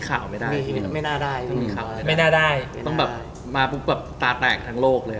ตรงนี้มาปลูกป๊าตาแตกทั้งโลกเลย